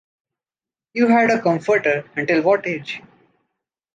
You had a comforter until what age?